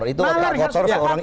itu orang yang kotor seorang